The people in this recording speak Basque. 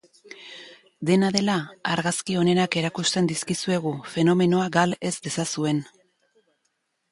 Dena dela, argazki onenak erakusten dizkizuegu, fenomenoa gal ez dezazuen.